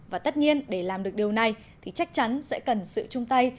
và tất nhiên để làm được điều này thì chắc chắn sẽ cần sự chung tay